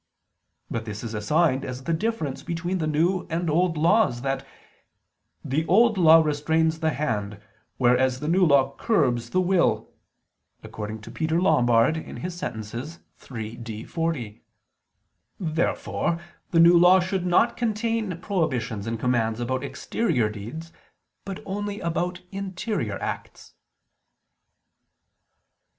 But this is assigned as the difference between the New and Old Laws that the "Old Law restrains the hand, whereas the New Law curbs the will" [*Peter Lombard, Sent. iii, D, 40]. Therefore the New Law should not contain prohibitions and commands about exterior deeds, but only about interior acts.